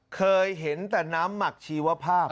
เคยเห็นแต่น้ำหมักชีวภาพ